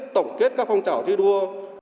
tổng kết các phong trào thi đua